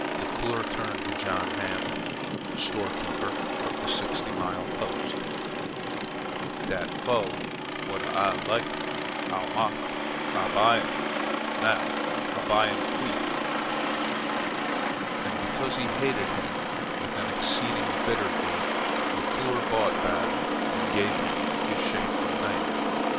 Leclere turned to John Hamlin, storekeeper of the Sixty Mile Post. "Dat fo' w'at Ah lak heem. 'Ow moch, eh, you, M'sieu'? 'Ow moch? Ah buy heem, now; Ah buy heem queek." And because he hated him with an exceeding bitter hate, Leclere bought Batard and gave him his shameful name.